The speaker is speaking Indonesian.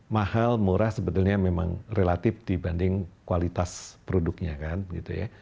mahal murah sebetulnya memang relatif dibanding kualitas produknya kan gitu ya